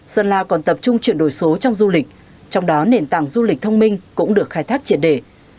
sơn la còn tập trung chuyển đổi số trong du lịch trong đó nền tảng du lịch thông minh cũng được khai thác triệt để